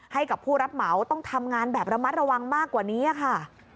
ให้กับผู้รับเหมาต้องทำงานแบบระมัดระวังมากกว่านี้ค่ะ